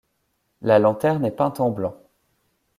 La lanterne est peinte en blanc.